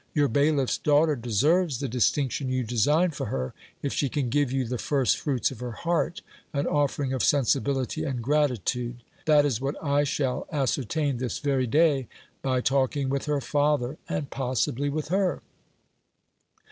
Your bailiff's daughter deserves the distinc tion you design for her, if she can give you the first fruits of her heart, an offer ing of sensibility and gratitude ; that is what I shall ascertain this very day by talking with her father, and possibly with her.